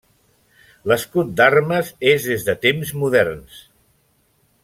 L'escut d'armes és des de temps moderns.